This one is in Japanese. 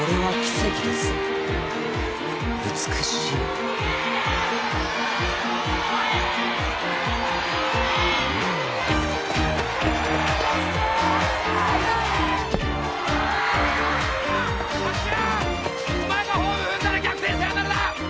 芦屋お前がホーム踏んだら逆転サヨナラだ！